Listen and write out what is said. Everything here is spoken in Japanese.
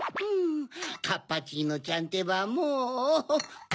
カッパチーノちゃんてばもう。